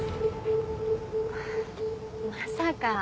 まさか。